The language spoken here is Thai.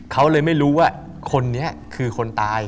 เขาเลยไม่รู้ว่าคนนี้คือคนตาย